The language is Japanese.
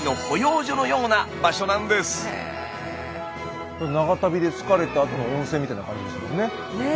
いわば長旅で疲れたあとの温泉みたいな感じですもんね。